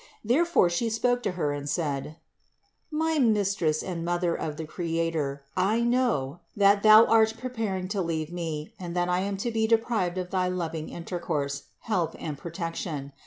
Therefore She spoke to Her and said : "My Mistress and Mother of the Creator, I know, that Thou art preparing to leave me and that I am to be deprived of thy loving intercourse, help and protection.